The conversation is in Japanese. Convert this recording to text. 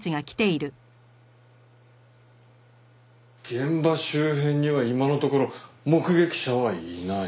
現場周辺には今のところ目撃者はいない。